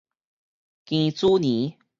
庚子年